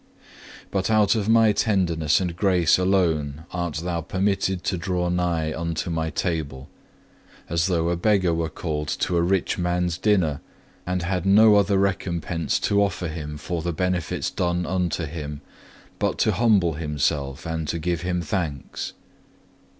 But out of My tenderness and grace alone art thou permitted to draw nigh unto My table; as though a beggar were called to a rich man's dinner, and had no other recompense to offer him for the benefits done unto him, but to humble himself and to give him thanks.